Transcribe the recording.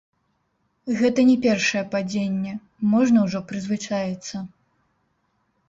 Гэта не першае падзенне, можна ўжо прызвычаіцца.